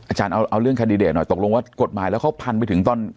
อาจารย์เอาเรื่องแคนดิเดตหน่อยตกลงว่ากฎหมายแล้วเขาพันไปถึงตอน